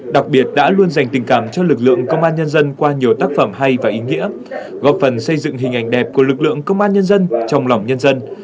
đặc biệt đã luôn dành tình cảm cho lực lượng công an nhân dân qua nhiều tác phẩm hay và ý nghĩa góp phần xây dựng hình ảnh đẹp của lực lượng công an nhân dân trong lòng nhân dân